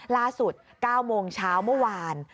ล่าสุด๙โมงเช้าเมื่อวาน